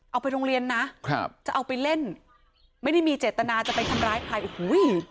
เอาไปโรงเรียนนะครับจะเอาไปเล่นไม่ได้มีเจตนาจะไปทำร้ายใครโอ้โห